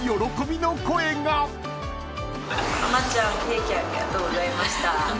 浜ちゃんケーキありがとうございました。